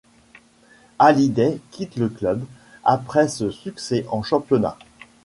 Halliday quitte le club après ce succès en championnat.